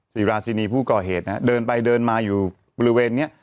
ศรีราชินีผู้ก่อเหตุนะฮะเดินไปเดินมาอยู่บริเวณนี้